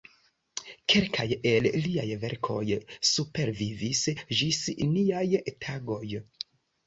Kelkaj el liaj verkoj supervivis ĝis niaj tagoj.